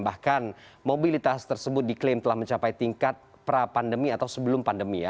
bahkan mobilitas tersebut diklaim telah mencapai tingkat pra pandemi atau sebelum pandemi ya